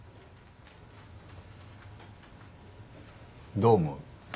どう思う？